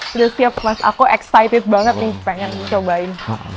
sudah setiap mas aku excited banget nih pengen cobain